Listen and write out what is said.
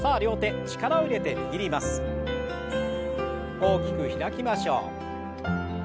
大きく開きましょう。